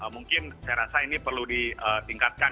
mungkin saya rasa ini perlu ditingkatkan